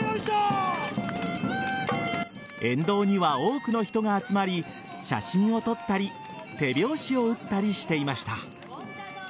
沿道には多くの人が集まり写真を撮ったり手拍子を打ったりしていました。